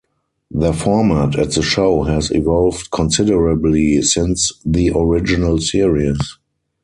Their format of the show has evolved considerably since the original series.